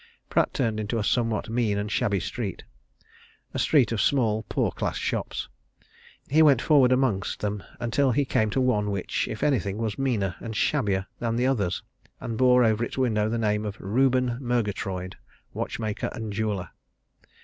Pratt turned into a somewhat mean and shabby street a street of small, poor class shops. He went forward amongst them until he came to one which, if anything, was meaner and shabbier than the others and bore over its window the name Reuben Murgatroyd Watchmaker and Jeweller.